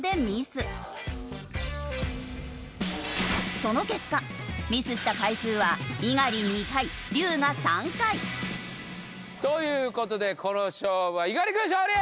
その結果ミスした回数は猪狩２回龍我３回。という事でこの勝負は猪狩君勝利！